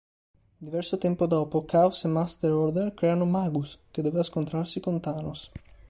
Diverso tempo dopo, Caos e Master order creano Magus, che doveva scontrarsi con Thanos.